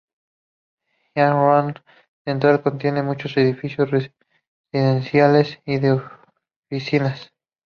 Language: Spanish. Yan'an Road Central contiene muchos edificios residenciales y de oficinas.